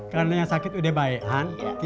karena yang sakit udah baik